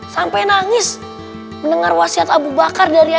sampai nangis mendengar wasiat abu bakar dari akar